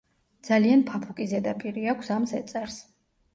ძალიან ფაფუკი ზედაპირი აქვს ამ ზეწარს.